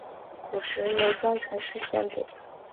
古时由中臣式宣读。